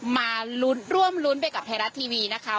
มาลุ้นร่วมรุ้นไปกับไทยรัฐทีวีนะคะ